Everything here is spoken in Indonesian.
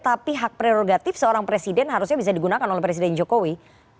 tapi hak prerogatif seorang presiden harusnya bisa digunakan oleh presiden jokowi